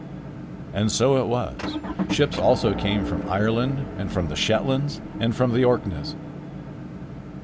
And so it was. Ships also came from Ireland and from the Shetlands and the Orkneys.